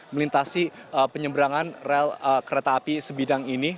melintasi penyebrangan kereta api sebidang ini